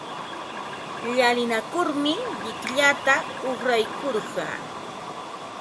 Llalinakurmi llikllata uqraykurqaa.